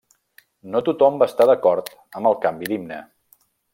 No tothom va estar d'acord amb el canvi d'himne.